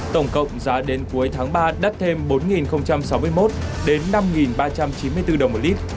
tổng cộng giá đến cuối tháng ba đắt thêm bốn sáu mươi một đến năm ba trăm chín mươi bốn đồng một lít